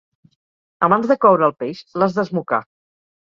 Abans de coure el peix, l'has d'esmocar.